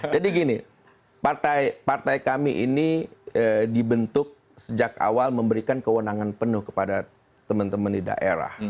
jadi gini partai kami ini dibentuk sejak awal memberikan kewenangan penuh kepada teman teman di daerah